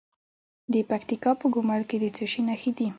د پکتیکا په ګومل کې د څه شي نښې دي؟